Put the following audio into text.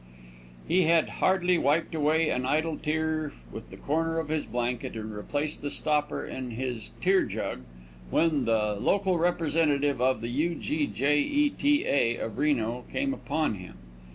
He had hardly wiped away an idle tear with the corner of his blanket and replaced the stopper in his tear jug when the local representative of the U. G. J. E. T. A. of Reno came upon him.